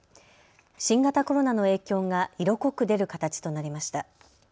新型コロナの影響が色濃く出る形となりました。